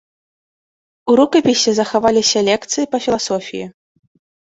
У рукапісе захаваліся лекцыі па філасофіі.